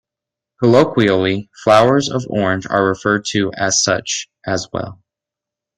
Colloquially flowers of orange are referred to as such as well.